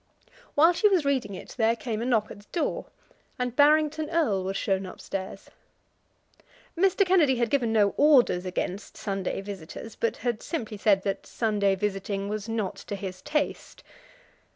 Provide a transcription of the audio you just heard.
While she was reading it, there came a knock at the door, and Barrington Erle was shown upstairs. Mr. Kennedy had given no orders against Sunday visitors, but had simply said that Sunday visiting was not to his taste.